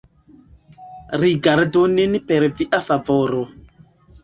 Rigardu nin per Via favoro.